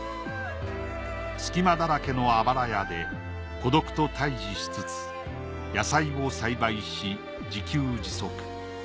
隙間だらけのあばら家で孤独と対じしつつ野菜を栽培し自給自足。